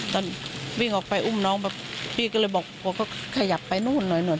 ตอนวิ่งออกไปอุ้มน้องแบบพี่ก็เลยบอกว่าขยับไปนู่นหน่อย